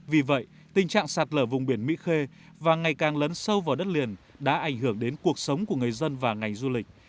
vì vậy tình trạng sạt lở vùng biển mỹ khê và ngày càng lấn sâu vào đất liền đã ảnh hưởng đến cuộc sống của người dân và ngành du lịch